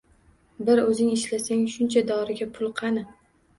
Bir o`zing ishlasang, shuncha doriga pul qani